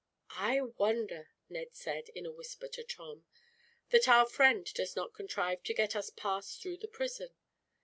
"I wonder," Ned said, in a whisper to Tom, "that our friend does not contrive to get us passed through the prison.